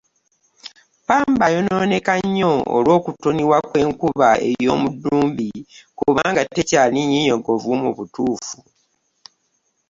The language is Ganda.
Pamba ayonooneka nnyo olw'okutoniwa kw'enkuba ey'omu Ddumbi kubanga tekyali nnyinyogovu mu butuufu.